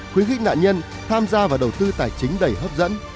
khuyến khích nạn nhân tham gia vào đầu tư tài chính đầy hấp dẫn